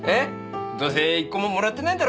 どうせ１個ももらってないんだろ？